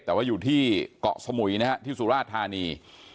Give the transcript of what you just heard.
แต่ว่าอยู่ที่เกาะสมุยนะฮะที่สุราชธานี